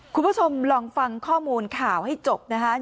คุณผู้ชมลองฟังข้อมูลข่าวให้จบนะคะ